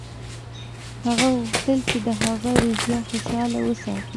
هغه غوښتل چې د هغه روحیه خوشحاله وساتي